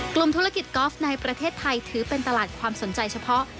กลุ่มธุรกิจกอล์ฟในประเทศไทยถือเป็นตลาดความสนใจเฉพาะ